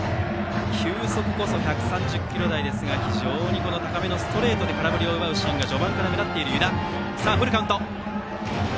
球速こそ１３０キロ台ですが非常に高めのストレートで空振りを奪うシーンが序盤から目立っている湯田。